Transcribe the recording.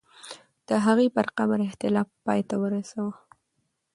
د هغې پر قبر اختلاف پای ته ورسوه.